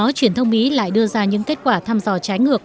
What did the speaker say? truyền thông mỹ lại đưa ra những kết quả thăm dò trái ngược